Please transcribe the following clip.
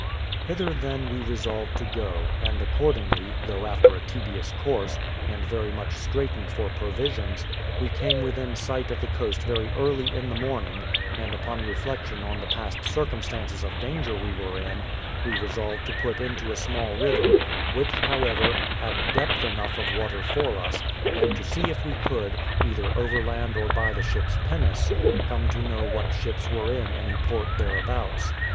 Hither then we resolved to go; and, accordingly, though after a tedious course, and very much straitened for provisions, we came within sight of the coast very early in the morning; and upon reflection on the past circumstances of danger we were in, we resolved to put into a small river, which, however, had depth enough of water for us, and to see if we could, either overland or by the ship's pinnace, come to know what ships were in any port thereabouts.